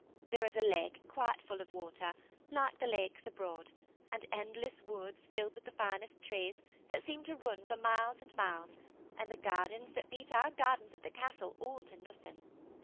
There is a lake qdite full of water, like the lakes abroad, and endless woods filled with the finest trees, that seem to run for miles and miles, and gardens that beat our gardens at the castle all to nothing.